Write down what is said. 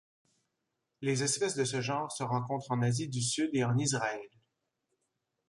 Les espèces de ce genre se rencontrent en Asie du Sud et en Israël.